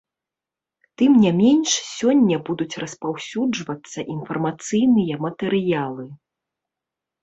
Тым не менш сёння будуць распаўсюджвацца інфармацыйныя матэрыялы.